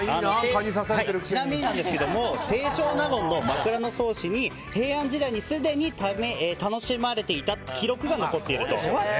ちなみに清少納言の「枕草子」に平安時代にすでに楽しまれていた記録が残っていると。